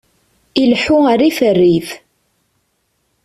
Ileḥḥu rrif rrif!